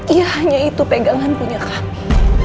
ya hanya itu pegangan punya kami